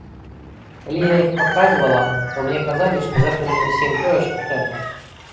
Калі я іх паказвала, то мне казалі, што гэта не зусім тое, што трэба.